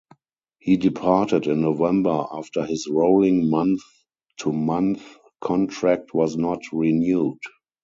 He departed in November after his rolling month-to-month contract was not renewed.